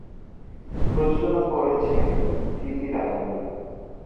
প্রযোজনা করেছেন ভিকি রাজানি।